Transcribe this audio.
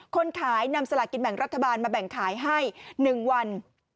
คนขายนำสลากินแบ่งรัฐบาลมาแบ่งขายให้๑วัน